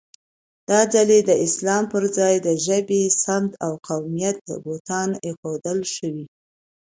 دا ځل د اسلام پر ځای د ژبې، سمت او قومیت بوتان اېښودل شوي.